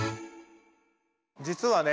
実はね